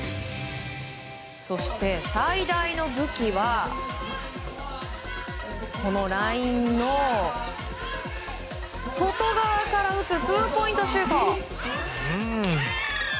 そして最大の武器はこのラインの外側から打つツーポイントシュート。